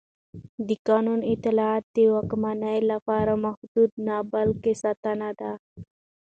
د قانون اطاعت د واکمنۍ لپاره محدودیت نه بلکې ساتنه ده